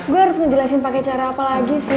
gue harus ngejelasin pakai cara apa lagi sih